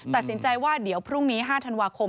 ตัดสินใจว่าเดี๋ยวพรุ่งนี้๕ธันวาคม